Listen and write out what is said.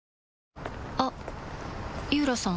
あっ井浦さん